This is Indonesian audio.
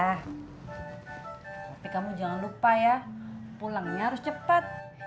tapi kamu jangan lupa ya pulangnya harus cepat